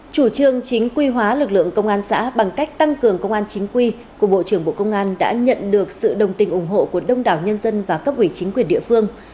chủ trương chính quy hóa lực lượng công an xã bằng cách tăng cường công an chính quy của bộ trưởng bộ công an đã nhận được sự đồng tình ủng hộ của đông đảo nhân dân và cấp ủy chính quyền địa phương